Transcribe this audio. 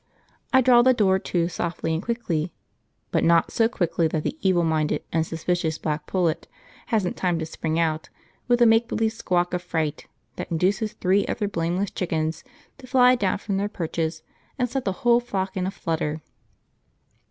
I draw the door to softly and quickly; but not so quickly that the evil minded and suspicious black pullet hasn't time to spring out, with a make believe squawk of fright that induces three other blameless chickens to fly down from their perches and set the whole flock in a flutter.